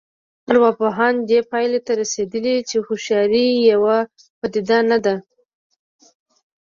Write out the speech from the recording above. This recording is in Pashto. ارواپوهان دې پایلې ته رسېدلي چې هوښیاري یوه پدیده نه ده